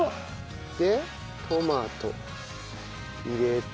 でトマト入れて。